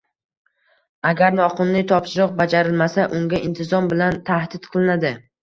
Agar noqonuniy topshiriq bajarilmasa, unga "intizom" bilan tahdid qilinadi